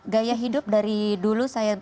gaya hidup dari dulu saya